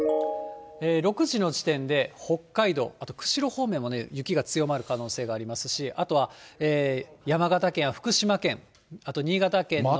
６時の時点で北海道、あと釧路方面も雪が強まる可能性がありますし、あとは山形県や福島県、あと新潟県も。